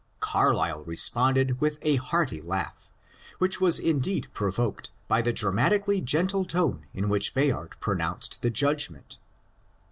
Carlyle responded with a hearty laugh, which was indeed provoked by the dramatically gentle tone in which Bayard pronounced the judgment.